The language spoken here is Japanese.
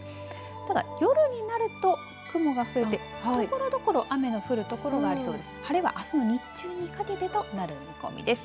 ただ、夜になると雲が増えてところどころ雨の降る所がありそうです。